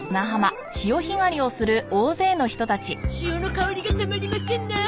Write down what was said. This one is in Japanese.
潮の香りがたまりませんなあ。